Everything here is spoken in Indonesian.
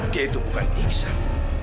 dia itu bukan iksan